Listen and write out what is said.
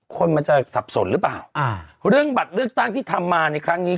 คนมันจะสับสนหรือเปล่าอ่าเรื่องบัตรเลือกตั้งที่ทำมาในครั้งนี้